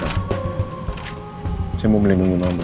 saya mau melindungi mama